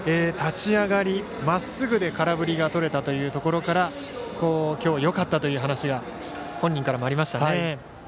立ち上がり、まっすぐで空振りがとれたというところからきょう、よかったという話が本人からもありましたね。